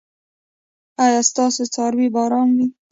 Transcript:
ایا ستاسو څاروي به ارام وي؟